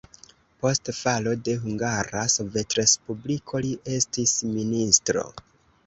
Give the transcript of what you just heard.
Post falo de Hungara Sovetrespubliko li estis ministro.